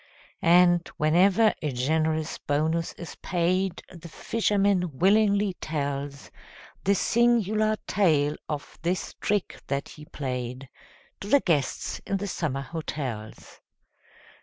And, whenever a generous bonus is paid, The fisherman willingly tells The singular tale of this trick that he played, To the guests in the summer hotels.